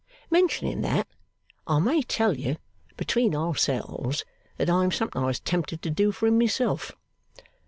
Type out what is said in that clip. Mentioning that, I may tell you, between ourselves, that I am sometimes tempted to do for him myself.